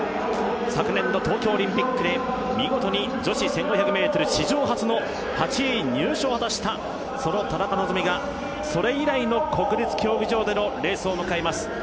昨年の東京オリンピックで見事に女子１５００ｍ史上初の８位入賞を果たしたその田中希実がそれ以来の国立競技場でのレースを迎えます。